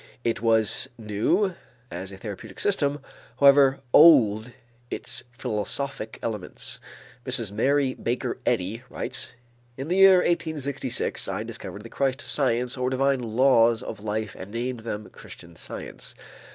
It was new as a therapeutic system, however old its philosophic elements. Mrs. Mary Baker Eddy writes: "In the year 1866 I discovered the Christ science or divine laws of life and named them Christian Science.